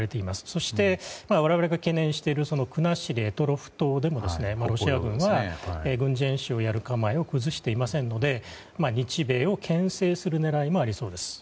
そして、我々が懸念している国後、択捉島でもロシア軍は軍事演習をやる構えを崩していませんので日米を牽制する狙いもありそうです。